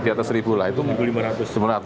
di atas seribu lah